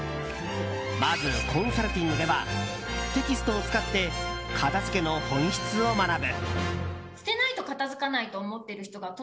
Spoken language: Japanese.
まず、コンサルティングではテキストを使って片付けの本質を学ぶ。